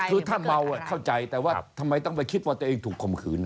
คือถ้าเมาเข้าใจแต่ว่าทำไมต้องไปคิดว่าตัวเองถูกข่มขืน